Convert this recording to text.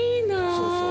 そうそう。